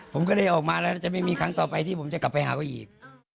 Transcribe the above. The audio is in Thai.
ผมก็ได้ออกมาแล้วจะไม่มีครั้งต่อไปที่ผมจะกลับไปหาเขาอีก